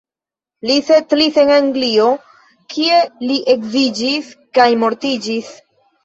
Li setlis en Anglio, kie li edziĝis kaj mortiĝis.